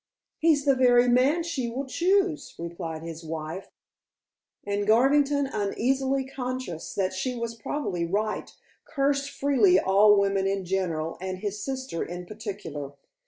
"He's the very man she will choose;" replied his wife, and Garvington, uneasily conscious that she was probably right, cursed freely all women in general and his sister in particular.